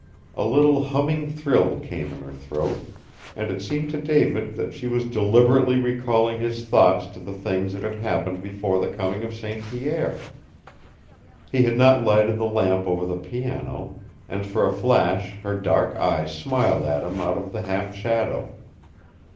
A little humming trill came in her throat, and it seemed to David that she was deliberately recalling his thoughts to the things that had happened before the coming of St. Pierre. He had not lighted the lamp over the piano, and for a flash her dark eyes smiled at him out of the half shadow.